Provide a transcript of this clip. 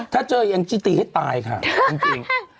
ถ้าเจอยังจี้ตีให้ตายค่ะจริง